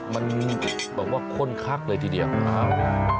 มันแบบว่าค้นคักเลยทีเดียวนะครับ